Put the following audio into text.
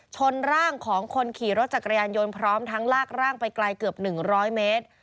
ชนร่างของคนขี่รถจักรยานยนต์พร้อมทั้งลากร่างไปไกลเกือบ๑๐๐เมตร